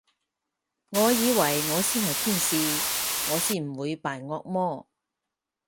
我以為我先係天使，我先唔會扮惡魔